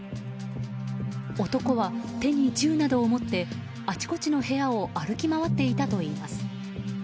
男は手に銃などを持ってあちこちの部屋を歩き回っていたといいます。